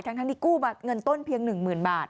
ทั้งที่กู้เงินต้นเพียง๑๐๐๐บาท